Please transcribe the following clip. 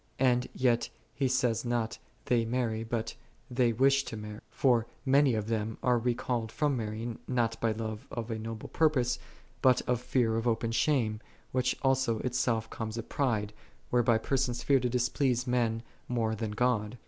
And yet he saith not, they marry, but "they wish to marry." For many of them are recalled from marrying, not by love of a noble pur pose, but by tear of open shame, which also itself comes of pride, whereby persons fear to displease men more than God.